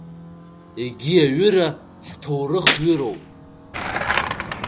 Егьи аҩыра ҳҭоурыхҩыроуп…